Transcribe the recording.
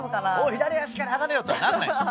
左足から上がれよ！とはなんないでしょ。